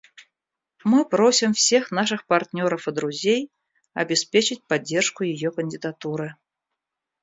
Мы просим всех наших партнеров и друзей обеспечить поддержку ее кандидатуры.